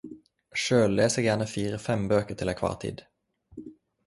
Sjølv les eg gjerne fire-fem bøker til ei kvar tid.